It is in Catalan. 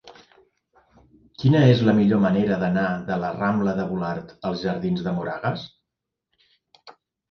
Quina és la millor manera d'anar de la rambla de Volart als jardins de Moragas?